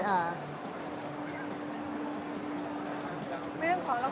แกยื่งไง